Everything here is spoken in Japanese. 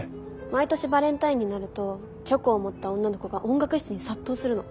毎年バレンタインになるとチョコを持った女の子が音楽室に殺到するの。